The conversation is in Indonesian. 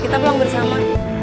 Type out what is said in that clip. kita pulang bersama